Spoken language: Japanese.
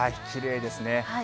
きれいですね。